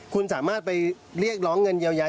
คุณสามารถไปเรียกร้องเงินเยียวยา